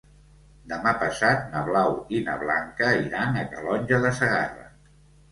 Demà passat na Blau i na Blanca iran a Calonge de Segarra.